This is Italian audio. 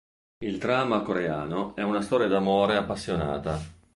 Il drama coreano è una storia d'amore appassionata.